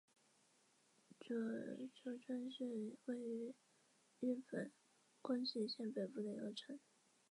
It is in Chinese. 诸冢村是位于日本宫崎县北部的一个村。